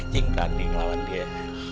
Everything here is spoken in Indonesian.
cing berani ngelawan dia